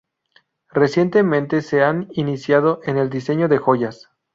Recientemente se han iniciado en el diseño de joyas.